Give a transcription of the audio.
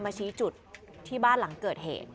ชี้จุดที่บ้านหลังเกิดเหตุ